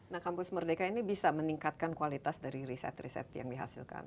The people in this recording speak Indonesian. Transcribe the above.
nah kampus merdeka ini bisa meningkatkan kualitas dari riset riset yang dihasilkan